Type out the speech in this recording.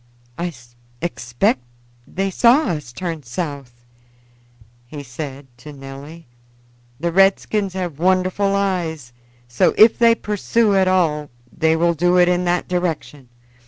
"I expect they saw us turn south," he said to Nelly. "The redskins have wonderful eyes; so, if they pursue at all, they will do it in that direction.